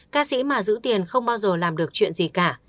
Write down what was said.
ca sĩ mà giữ tiền không bao giờ làm được chuyện gì cả